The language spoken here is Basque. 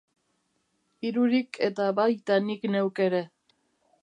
Irurik eta baita nik neuk ere.